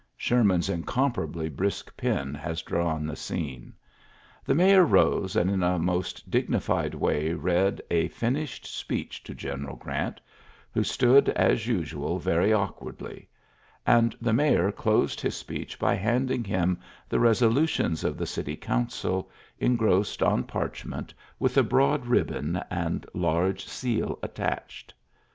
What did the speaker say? S man's incomparably brisk pen has dr the scene: ^^The mayor rose am a most dignified way read a fini: speech to General Grant, who stoo usual very awkwardly ; and the mi closed his speech by handing him resolutions of the city council, engrc on parchment, with a broad ribbon large seal attached.